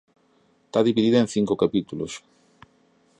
Está dividida en cinco capítulos.